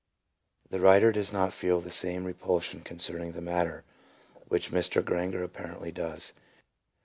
1 The writer does not feel the same repulsion con cerning the matter which Mr. Granger apparently does.